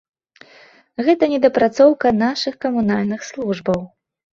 Гэта недапрацоўка нашых камунальных службаў.